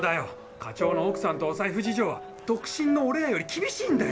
課長の奥さんとお財布事情は独身の俺らより厳しいんだよ！